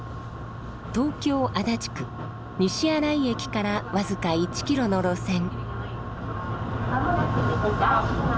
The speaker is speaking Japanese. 東京・足立区西新井駅から僅か１キロの路線。